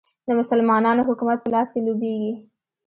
د مسلمانانو حکومت په لاس کې لوبیږي.